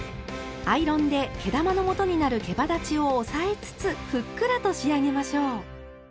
アイロンで毛玉のもとになるけばだちを押さえつつふっくらと仕上げましょう。